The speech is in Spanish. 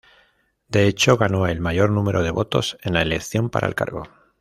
De hecho, ganó el mayor número de votos en la elección para el cargo.